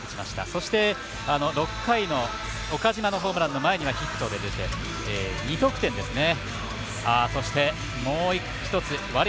そして、６回の岡島のホームランの前にはヒットで出て、２得点ですね。